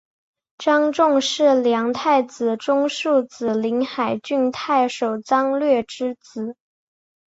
张种是梁太子中庶子临海郡太守张略之子。